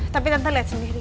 tapi tante lihat sendiri